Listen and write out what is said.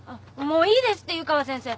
もういいですって湯川先生。